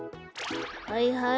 はいはい。